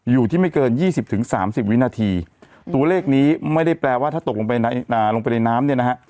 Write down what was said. อยู่ที่ไม่เกินยี่สิบถึงสามสิบวินาทีตัวเลขนี้ไม่ได้แปลว่าถ้าตกลงไปในลงไปในน้ำเนี่ยนะฮะ